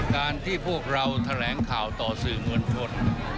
การที่พวกเราแถลงข่าวต่อสื่อมวลชน